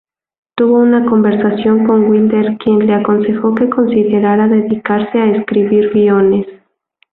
Tuvo una conversación con Wilder, quien le aconsejó que considerara dedicarse a escribir guiones.